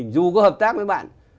dù có hợp tác với bạn